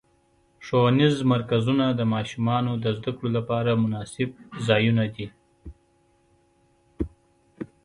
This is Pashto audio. ښوونیز مرکزونه د ماشومانو د زدهکړو لپاره مناسب ځایونه دي.